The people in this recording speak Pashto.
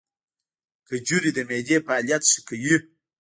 کجورې د معدې فعالیت ښه کوي.